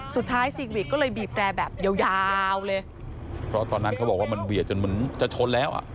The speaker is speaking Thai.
ซีวิกก็เลยบีบแรร์แบบยาวยาวเลยเพราะตอนนั้นเขาบอกว่ามันเบียดจนเหมือนจะชนแล้วอ่ะ